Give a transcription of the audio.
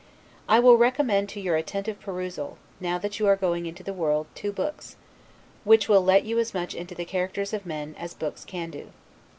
I will recommend to your attentive perusal, now that you are going into the world, two books, which will let you as much into the characters of men, as books can do.